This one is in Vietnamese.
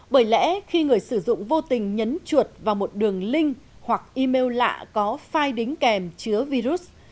bởi lẽ khi người sử dụng vô tình nhấn chuột vào một đường link hoặc email lạ có file đính kèm chứa virus